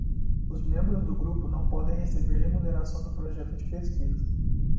Os membros do grupo não podem receber remuneração do projeto de pesquisa.